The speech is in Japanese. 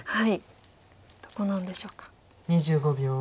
どこなんでしょうか？